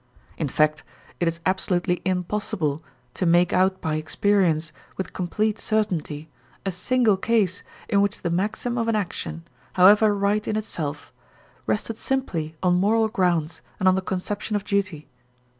In fact, it is absolutely impossible to make out by experience with complete certainty a single case in which the maxim of an action, however right in itself, rested simply on moral grounds and on the conception of duty.